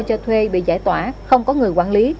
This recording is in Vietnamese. cho thuê bị giải tỏa không có người quản lý